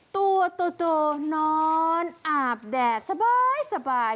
ตัวโตนอนอาบแดดสบาย